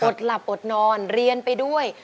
หลับอดนอนเรียนไปด้วย